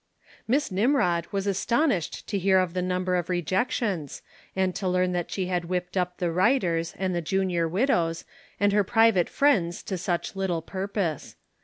Miss Nimrod was astonished to hear of the number of rejections, and to learn that she had whipped up the Writers, and the Junior Widows, and her private friends to such little purpose.